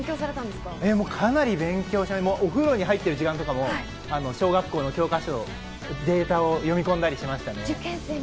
かなり勉強して、お風呂に入ってる時間とかも小学校の教科書のデータを読み込んだりしました。